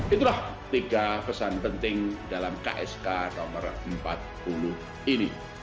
itulah tiga pesan penting dalam ksk nomor empat puluh ini